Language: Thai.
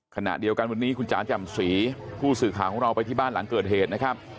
ขณะเดียวกันวันนี้คุณจ๋าจำศรีผู้สื่อข่าวของเราไปที่บ้านหลังเกิดเหตุนะครับ